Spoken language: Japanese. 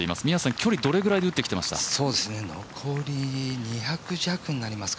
距離はどれくらいで打ってきていましたか？